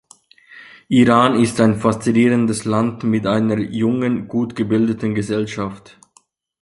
Iran ist ein faszinierendes Land mit einer jungen, gut gebildeten Gesellschaft.